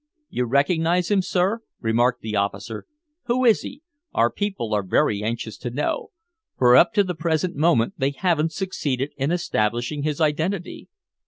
"You recognize him, sir?" remarked the officer. "Who is he? Our people are very anxious to know, for up to the present moment they haven't succeeded in establishing his identity."